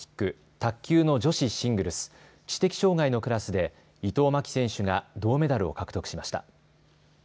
卓球の女子シングルス知的障害のクラスで伊藤槙紀選手が銅メダルを獲得しました。